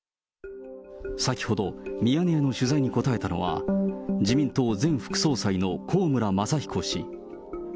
先ほど、ミヤネ屋の取材に答えたのは、自民党前副総裁の高村正彦氏。